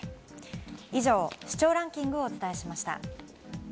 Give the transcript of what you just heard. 以上、視聴ランキングをお伝えしました。